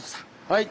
はい！